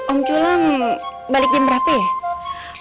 om culang balik jam berapa ya